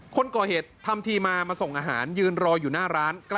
คนก่อเหตุทำทีมามาส่งอาหารยืนรออยู่หน้าร้าน